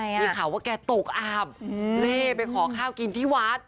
มีข่าวว่าแกตกอาบเล่ไปขอข้าวกินที่วัด